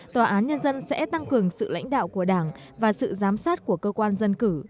tòa án nhân dân sẽ tăng cường sự lãnh đạo của đảng và sự giám sát của cơ quan dân cử